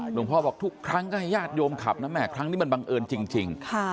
หลวงพ่อบอกทุกครั้งก็ให้ญาติโยมขับนะแม่ครั้งนี้มันบังเอิญจริง